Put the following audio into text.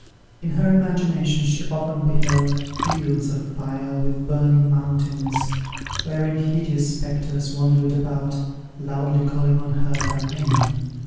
In her imagination she often beheld fields of fire, with burning mountains, wherein hideous spectres wandered about, loudly calling on her by name.